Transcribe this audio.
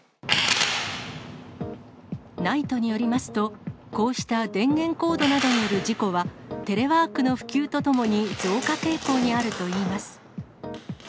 ＮＩＴＥによりますと、こうした電源コードなどによる事故は、テレワークの普及とともに増加傾向にあるといいます。